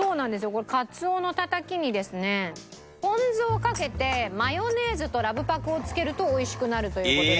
これカツオのタタキにですねポン酢をかけてマヨネーズとラブパクをつけるとおいしくなるという事で。